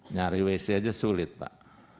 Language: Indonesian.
nyari wc aja sulit pak